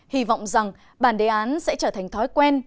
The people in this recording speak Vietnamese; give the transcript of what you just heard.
hy vọng rằng bản đề án sẽ trở thành thói quen